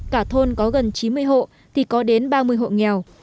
cả thôn có gần chín mươi hộ thì có đến ba mươi hộ nghèo